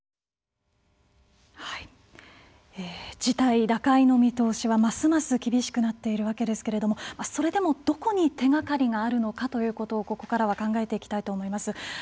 事態打開の見通しはますます厳しくなっているわけですけれどもそれでもどこに手がかりがあるのかということをここからは考えていきたいと思います。